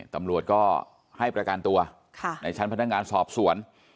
ตำรวจก็ให้ประกันตัวในชั้นพนักงานสอบสวน